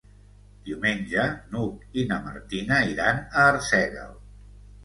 Diumenge n'Hug i na Martina iran a Arsèguel.